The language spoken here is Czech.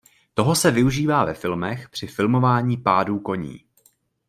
Toho se využívá ve filmech při filmování pádů koní.